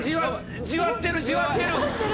じわってるじわってる。